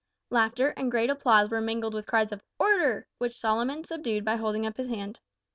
Laughter and great applause were mingled with cries of "Order," which Solomon subdued by holding up his hand.